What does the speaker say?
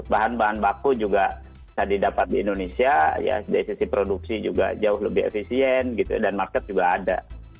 bahan bahan baku juga bisa didapat di indonesia ya dari sisi produksi juga jauh lebih efisien gitu dan market juga ada